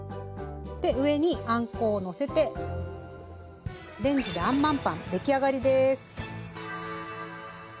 上にあんこをのせてレンジであんまんパンできあがりです。